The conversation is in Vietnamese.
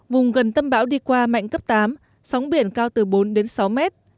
vùng gần tâm bão đi qua mạnh cấp tám sóng biển cao từ bốn đến sáu mét